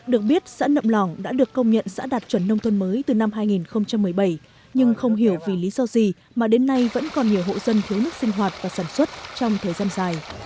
được biết xã nậm lòng đã được công nhận xã đạt chuẩn nông thôn mới từ năm hai nghìn một mươi bảy nhưng không hiểu vì lý do gì mà đến nay vẫn còn nhiều hộ dân thiếu nước sinh hoạt và sản xuất trong thời gian dài